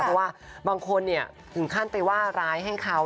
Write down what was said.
เพราะว่าบางคนถึงขั้นไปว่าร้ายให้เขา